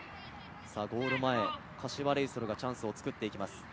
ゴール前、柏レイソルがチャンスを作っていきます。